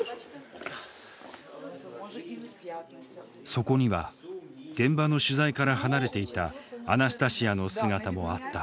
そこには現場の取材から離れていたアナスタシヤの姿もあった。